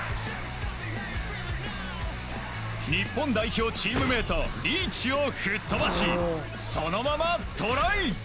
日本代表チームメートリーチを吹っ飛ばしそのままトライ！